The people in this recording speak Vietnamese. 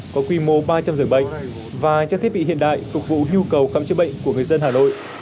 có quy mô ba trăm linh dưỡng bệnh và cho thiết bị hiện đại phục vụ nhu cầu khám chế bệnh của người dân hà nội